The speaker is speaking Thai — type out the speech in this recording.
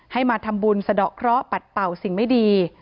ให้มาทำบุญสะดอกเคราะห์ปัดเป่าสิ่งไม่ดี